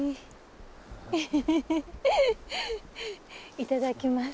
いただきます。